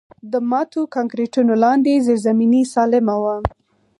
د ماتو کانکریټونو لاندې زیرزمیني سالمه وه